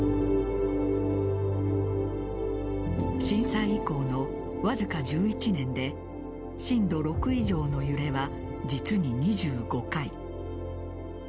震災以降のわずか１１年で震度６以上の揺れは実に２５回。